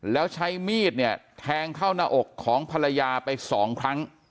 แล้วใช้มีดเนี่ยแทงเข้าหน้าอกของภรรยาไปสองครั้ง